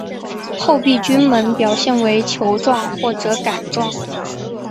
厚壁菌门表现为球状或者杆状。